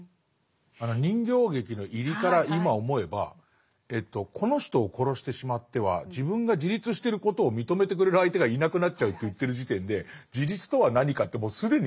あの人形劇の入りから今思えばこの人を殺してしまっては自分が自立してることを認めてくれる相手がいなくなっちゃうって言ってる時点で自立とは何かってもう既に揺らいでますよね。